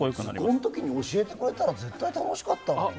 図工の時に教えてくれたら絶対楽しかったのにね。